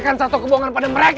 jangan dipercayai akan dari mereka